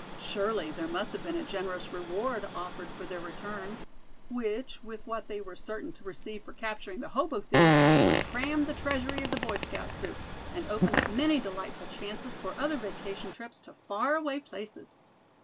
Surely there must have been a generous reward offered for their return; which, with that they were certain to receive for capturing the hobo thieves, would cram the treasury of the Boy Scout troop, and open up many delightful chances for other vacation trips to far away places.